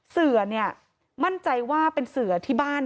เสือเนี่ยมั่นใจว่าเป็นเสือที่บ้าน